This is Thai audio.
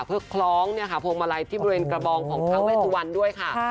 เพื่อคล้องพวงมาลัยที่บริเวณกระบองของท้าเวสุวรรณด้วยค่ะ